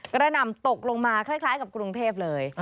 หน่ำตกลงมาคล้ายกับกรุงเทพเลย